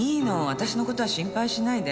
私の事は心配しないで。